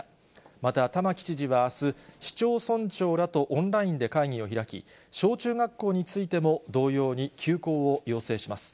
また玉城知事はあす、市長村長らとオンラインで会議を開き、小中学校についても同様に休校を要請します。